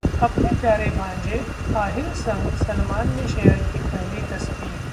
अपने प्यारे भांजे आहिल संग सलमान ने शेयर की पहली तस्वीर